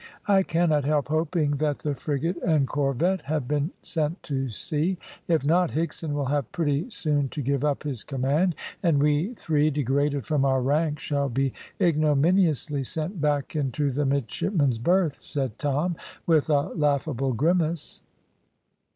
"I cannot help hoping that the frigate and corvette have been sent to sea; if not, Higson will have pretty soon to give up his command, and we three, degraded from our rank, shall be ignominiously sent back into the midshipman's berth," said Tom, with a laughable grimace.